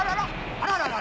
あららら！